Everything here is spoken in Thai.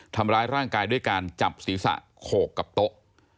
ทำร้ายร่างกายด้วยการจับศีรษะโขกกับโต๊ะ